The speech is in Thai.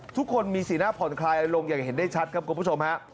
ทุกคนมีสีหน้าผ่อนคลายลงอย่างเห็นได้ชัดครับคุณผู้ชมฮะ